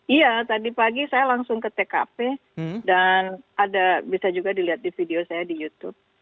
iya tadi pagi saya langsung ke tkp dan ada bisa juga dilihat di video saya di youtube